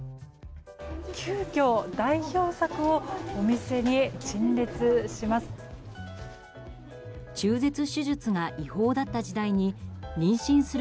急きょ代表作をお店に陳列します。